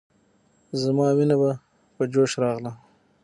زما وينه به په جوش راغله.